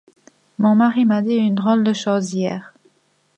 Mon mari m'a dit une drôle de chose hier.